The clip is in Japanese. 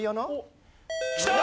きた！